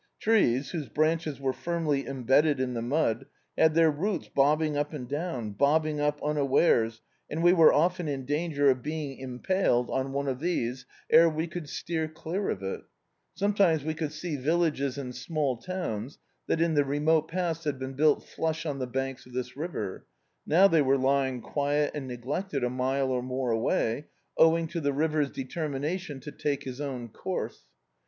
Trees, whose branches were firmly embedded in the mud, had their roots bobbing up and down, bobbing up unawares, and we were often in danger of being impaled on [1^9] D,i.,.db, Google The Autobiography of a Super Tramp one of these ere we could steer clear of it. Som^ times we would see villages and small towns that in the remote past had been built flush cm the banks of this river : now they were lying quiet and neglected a mile or more away, owing to the river's detenni nation to take bis own course.